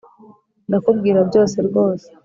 ndakubwira byose rwose